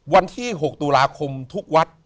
วันที่๖ตุลาคมทุกวัด